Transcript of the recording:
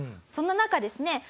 そんな中ですね